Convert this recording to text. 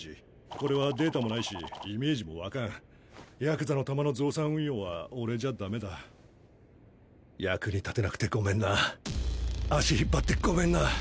これはデータもないしイメージも湧かんヤクザの弾の増産運用は俺じゃダメだ役に立てなくてごめんな足引っ張ってごめんな。